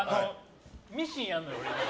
ミシンやるのよ。